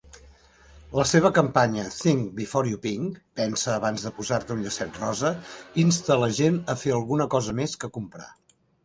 La seva campanya "Think Before You Pink" (pensa abans de posar-te un llacet rosa) insta la gent a fer alguna cosa més que comprar.